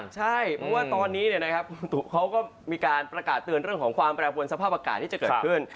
ใช่เพราะว่าตอนนี้เขาก็มีการประกาศเตือนเรื่องของความแปรปวนสภาพอากาศที่จะเกิดขึ้น